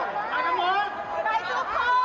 ลองไปดูเหตุการณ์ความชื่อระมวลที่เกิดอะไร